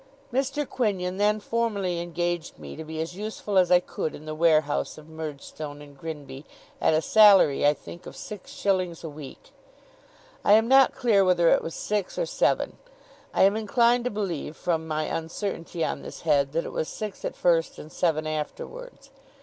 Mr. Quinion then formally engaged me to be as useful as I could in the warehouse of Murdstone and Grinby, at a salary, I think, of six shillings a week. I am not clear whether it was six or seven. I am inclined to believe, from my uncertainty on this head, that it was six at first and seven afterwards.